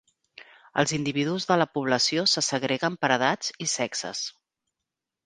Els individus de la població se segreguen per edats i sexes.